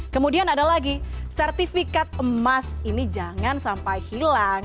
kemudian ada lagi sertifikat emas ini jangan sampai hilang